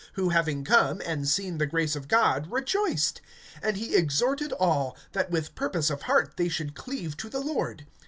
(23)Who having come, and seen the grace of God, rejoiced; and he exhorted all, that with purpose of heart they should cleave to the Lord.